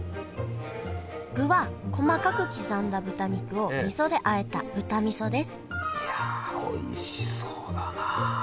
具は細かく刻んだ豚肉を味噌であえた豚味噌ですいやおいしそうだな。